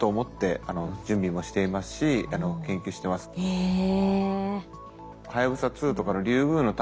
へえ。